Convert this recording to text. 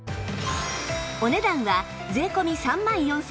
お値段は税込３万４９８０円